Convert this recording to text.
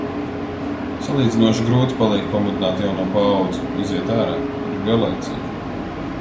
Salīdzinoši grūti paliek pamudināt jauno paaudzi iziet ārā. Tur ir garlaicīgi.